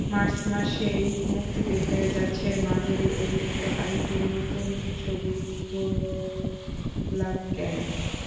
March মাসেই মুক্তি পেতে যাচ্ছে মাধুরী অভিনীত আরেকটি নতুন ছবি গুলাব গ্যাং।